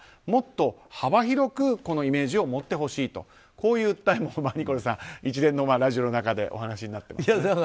もっと幅広くこのイメージを持ってほしいとこういう訴えをニコルさん一連のラジオの中でお話になっています。